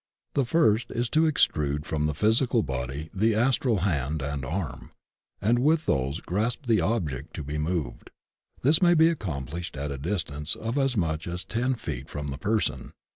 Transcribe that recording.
The first is to extrude from the physical body the Astral hand and arm, and with those grasp the object to be moved. This may be accomplished at a distance of as much as ten feet from the person.